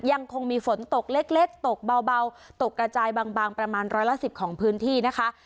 ยังคงมีฝนตกเล็กตกเบาตกกระจายบางประมาณร้อยละ๑๐ของพื้นที่นะคะ